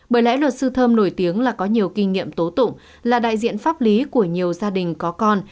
bởi lẽ luật sư thơm nổi tiếng là có nhiều kinh nghiệm tố tụng là đại diện pháp lý của nhiều gia đình có con